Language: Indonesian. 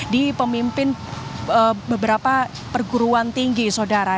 di pemimpin beberapa perguruan tinggi saudara